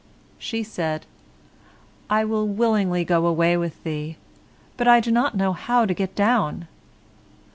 She said, "I will willingly go away with you, but I do not know how to get down.